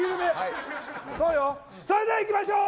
それではいきましょう。